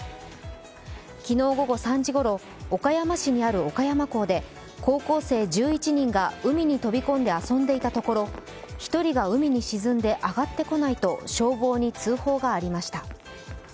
昨日午後３時ごろ、岡山市にある岡山港で高校生１１人が海に飛び込んで遊んでいたところ１人が海に沈んで上がってこないと消防に通報がありました。